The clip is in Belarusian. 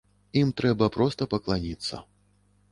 Ім трэба проста пакланіцца.